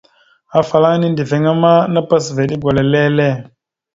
Afalaŋa nindəviŋáma napas va eɗe gwala lele.